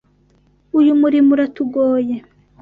Uyu murimo uratugoye.